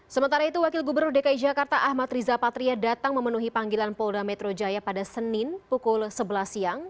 sementara itu wakil gubernur dki jakarta ahmad riza patria datang memenuhi panggilan polda metro jaya pada senin pukul sebelas siang